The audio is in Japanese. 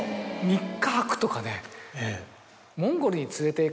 ３日空くとかね。